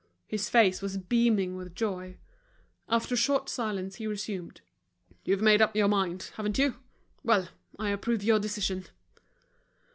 His face was beaming with joy. After a short silence he resumed: "You've made up your mind, haven't you? Well, I approve your decision."